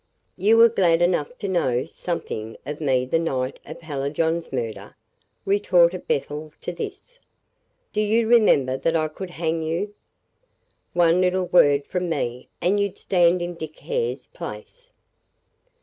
"'You were glad enough to know something of me the night of Hallijohn's murder,' retorted Bethel to this. 'Do you remember that I could hang you. One little word from me, and you'd stand in Dick Hare's place.